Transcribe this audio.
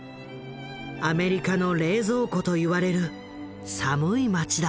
「アメリカの冷蔵庫」と言われる寒い町だ。